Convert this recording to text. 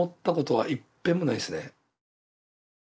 はい。